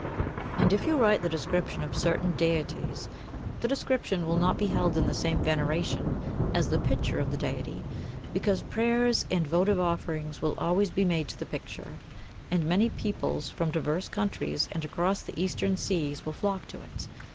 And if you write the description of certain deities the description will not be held in the same veneration as the picture of the Deity, because prayers and votive offerings will always be made to the picture, and many peoples from diverse countries and from across the Eastern seas will flock to it.